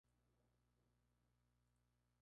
Esta vez me la pegó pero una y no más, santo Tomás